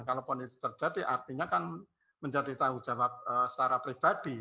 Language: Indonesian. kalaupun itu terjadi artinya kan menjadi tanggung jawab secara pribadi